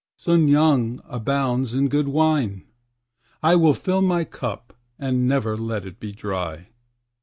Hsün yang abounds in good wine; I will fill my cup and never let it be dry.